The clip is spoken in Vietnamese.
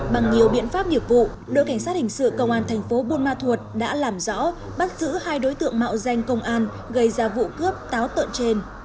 bằng nhiều biện pháp nghiệp vụ đội cảnh sát hình sự công an thành phố buôn ma thuột đã làm rõ bắt giữ hai đối tượng mạo danh công an gây ra vụ cướp táo tợn trên